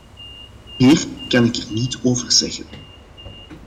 Meer kan ik er niet over zeggen.